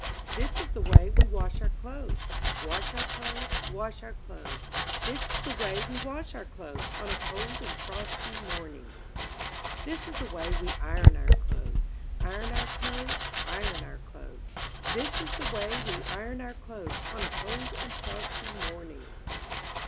This is the way we wash our clothes, Wash our clothes, wash our clothes; This is the way we wash our clothes. On a cold and frosty morning. This is the way we iron our clothes. Iron our clothes, iron our clothes ; This is the way we iron our clothes, On a cold and frosty morning.